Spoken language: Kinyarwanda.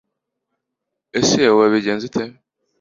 ese wabigenze ute